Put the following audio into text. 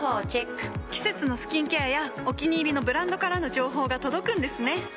季節のスキンケアやお気に入りのブランドからの情報が届くんですね。